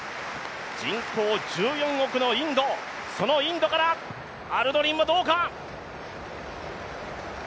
人口１４億のインド、そのインドからアルドリンはどうか？